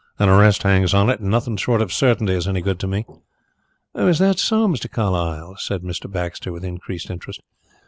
"An arrest hangs on it and nothing short of certainty is any good to me." "Is that so, Mr. Carlyle?" said Mr. Baxter, with increased interest.